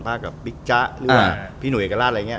ภาครับว่าพี่หนุเอกราชอะไรแบบนี้